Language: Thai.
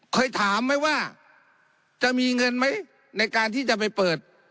เคยถามไหมว่าจะมีเงินไหมในการที่จะไปเปิด